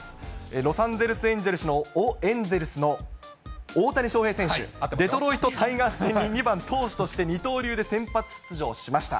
ロサンジェルスエンゼルスの大谷翔平選手、デトロイトタイガース戦に２番投手として二刀流で先発出場しました。